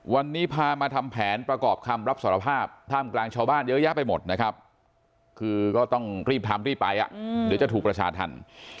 วันนี้พามาทำแผนประกอบคำรับสารภาพท่ามกลางชาวบ้านเยอะแยะไปหมดนะครับคือก็ต้องรีบทำรีบไปเดี๋ยวจะถูกประชาธรรม